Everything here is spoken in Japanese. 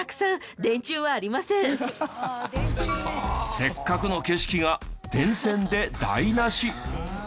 せっかくの景色が電線で台無し。